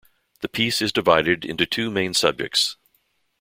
The piece is divided into two main subjects.